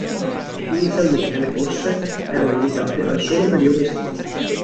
Inizialmente le corse erano limitate al solo periodo estivo.